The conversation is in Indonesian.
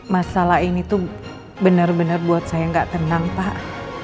masalah ini tuh bener bener buat saya gak tenang pak